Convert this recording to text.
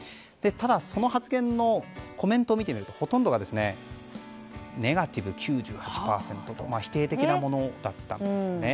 ただ、その発言のコメントを見てみるとほとんどがネガティブ９８％と否定的なものだったんですね。